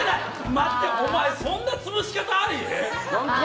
待てお前、そんな潰し方あり？